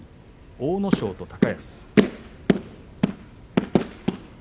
阿武咲と高安。